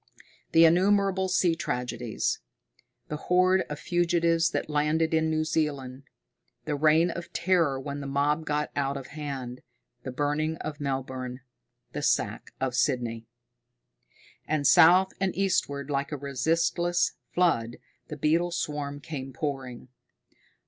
The innumerable sea tragedies. The horde of fugitives that landed in New Zealand. The reign of terror when the mob got out of hand, the burning of Melbourne, the sack of Sydney. And south and eastward, like a resistless flood, the beetle swarm came pouring.